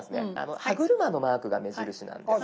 歯車のマークが目印なんです。